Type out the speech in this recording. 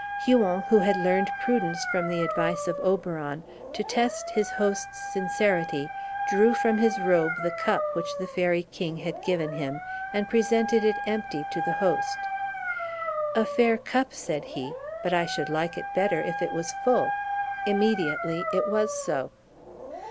Huon, who had learned prudence from the advice of Oberon, to test his host's sincerity, drew from his robe the cup which the Fairy king had given him, and presented it empty to the host. "A fair cup," said he, "but I should like it better if it was full." Immediately it was so.